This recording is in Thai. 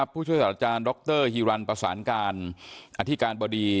ผู้ช่วยศาสตราจารย์ดรฮีรันประสานการอธิการบดี